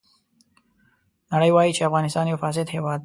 نړۍ وایي چې افغانستان یو فاسد هېواد دی.